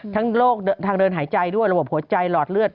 โรคทางเดินหายใจด้วยระบบหัวใจหลอดเลือด